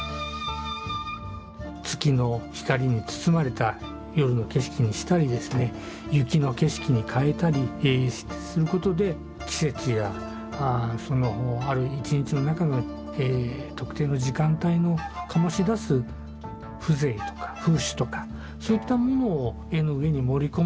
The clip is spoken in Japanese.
月の光に包まれた夜の景色にしたりですね雪の景色に変えたりすることで季節やそのある一日の中の特定の時間帯の醸し出す風情とか風趣とかそういったものを絵の上に盛り込む。